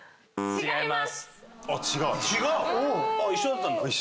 違います。